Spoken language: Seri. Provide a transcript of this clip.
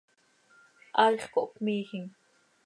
Haaix cohpmiijim.